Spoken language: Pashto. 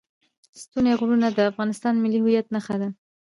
ستوني غرونه د افغانستان د ملي هویت نښه ده.